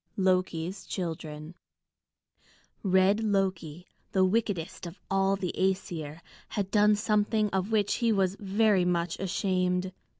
LOKI'S CHILDREN Red Loki, the wickedest of all the Æsir, had done something of which he was very much ashamed.